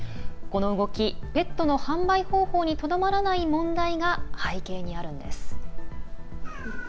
この動き、ペットの販売方法にとどまらない問題が背景にあるんです。